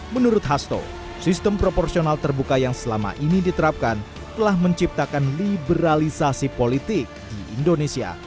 menurut hasto sistem proporsional terbuka yang selama ini diterapkan telah menciptakan liberalisasi politik di indonesia